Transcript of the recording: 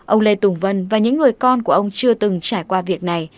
ông lê tùng vân và những người con của ông chưa từng trải qua việc này